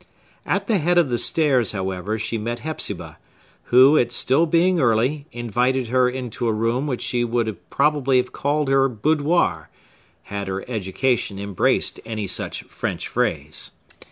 At the head of the stairs, however, she met Hepzibah, who, it being still early, invited her into a room which she would probably have called her boudoir, had her education embraced any such French phrase.